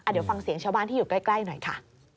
เดี๋ยวฟังเสียงชาวบ้านที่อยู่ใกล้หน่อยค่ะ